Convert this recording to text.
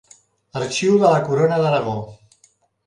Arxiu de la Corona d'Aragó.